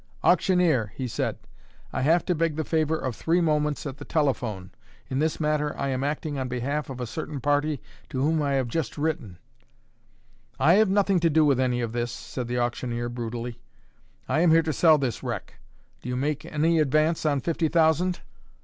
"Auctioneer," he said, "I have to beg the favour of three moments at the telephone. In this matter, I am acting on behalf of a certain party to whom I have just written " "I have nothing to do with any of this," said the auctioneer, brutally. "I am here to sell this wreck. Do you make any advance on fifty thousand?"